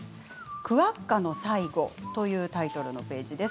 「クアッガの最後」というタイトルのページです。